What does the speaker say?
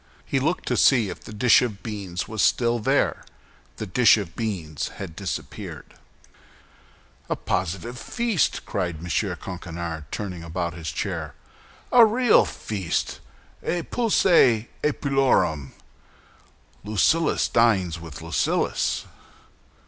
He looked to see if the dish of beans was still there; the dish of beans had disappeared. "A positive feast!" cried M. Coquenard, turning about in his chair, "a real feast, epulœ epulorum. Lucullus dines with Lucullus."